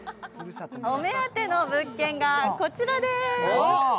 お目当ての物件がこちらです。